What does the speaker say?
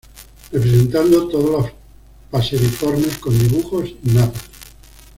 Representando todos los paseriformes con dibujos y mapas.